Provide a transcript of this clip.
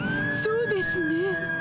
「そうですね」。